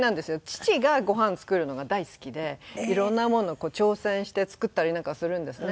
父がごはん作るのが大好きでいろんなものを挑戦して作ったりなんかするんですね。